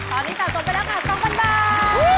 ตอนนี้สะสมไปแล้วค่ะ๒๐๐๐บาท